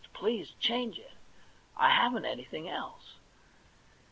Please change it ; I haven't anything else.'